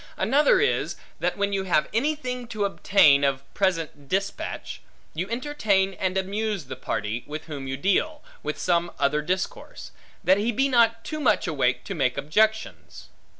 Another is, that when you have anything to obtain, of present despatch, you entertain and amuse the party, with whom you deal, with some other discourse; that he be not too much awake to make objections.